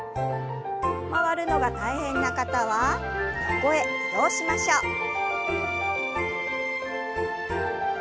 回るのが大変な方は横へ移動しましょう。